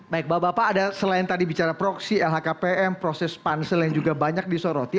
baik bapak bapak ada selain tadi bicara proksi lhkpm proses pansel yang juga banyak disoroti